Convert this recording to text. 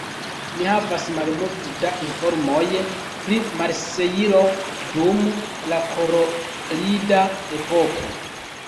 Ni havas malmulte da informoj pri Marsejlo dum la karolida epoko.